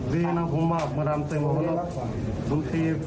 ดีนะผมว่ากลำถึงเวลาสมภีร์๒ครั้งได้มั้ย